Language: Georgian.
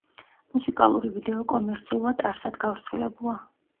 მუსიკალური ვიდეო კომერციულად არსად გავრცელებულა.